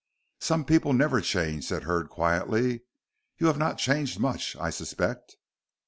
"Some people never change," said Hurd, quietly. "You have not changed much, I suspect."